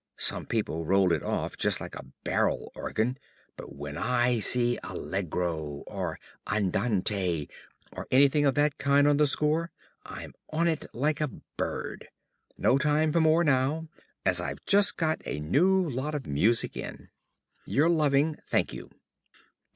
Some people roll it off just like a barrel organ; but when I see Allegro or Andante or anything of that kind on the score, I'm on it like a bird. No time for more now, as I've just got a new lot of music in. Your loving, ~Thankyou.